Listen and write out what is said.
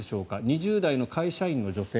２０代の会社員の女性。